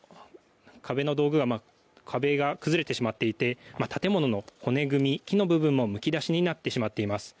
壁が崩れてしまっていて建物の骨組み木の部分もむき出しになっています。